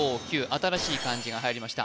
新しい漢字が入りました